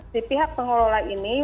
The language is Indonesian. si pihak pengelola ini